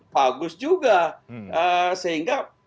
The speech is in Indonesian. bagus juga sehingga